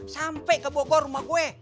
sampai kebogor rumah gue